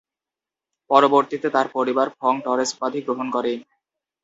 পরবর্তীতে তার পরিবার "ফং-টরেস" উপাধি গ্রহণ করে।